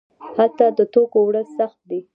هلته د توکو وړل سخت دي.